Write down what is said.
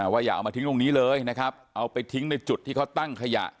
อย่าเอามาทิ้งตรงนี้เลยนะครับเอาไปทิ้งในจุดที่เขาตั้งขยะ